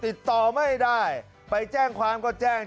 ติดต่อไม่ได้ไปแจ้งความก็แจ้ง